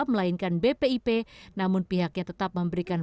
melainkan bpip namun pihaknya tetap memberikan